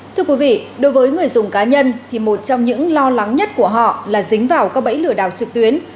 thưa quý vị đối với người dùng cá nhân thì một trong những lo lắng nhất của họ là dính vào các bẫy lừa đảo trực tuyến